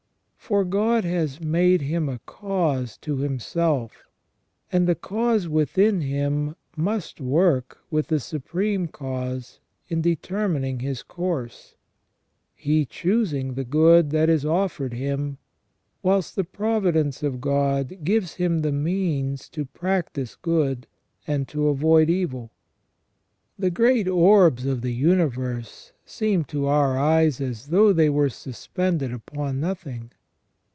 For God has made him a cause to himself, and the cause within him must work with the Supreme Cause in determining his course, he choosing the good that is offered him, whilst the providence of God gives him the means to practise good and to avoid evil. The great orbs of the universe seem to our eyes as though they were suspended upon nothing.